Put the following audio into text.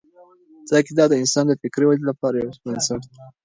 دا کتاب د انسان د فکري ودې لپاره یو بنسټ دی.